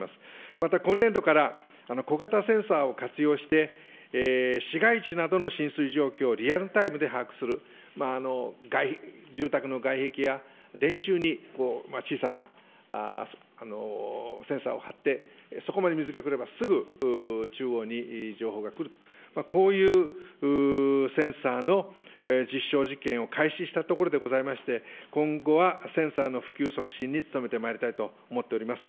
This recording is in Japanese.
また今年度から小型センサーを活用して、市街地などの浸水状況をリアルタイムで把握する、住宅の外壁や電柱に小さなセンサーを貼って、そこまで水が来ればすぐ中央に情報が来ると、こういうセンサーの実証実験を開始したところでございまして、今後はセンサーの普及促進に努めてまいりたいと思っております。